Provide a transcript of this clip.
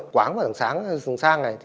quáng vào đằng sáng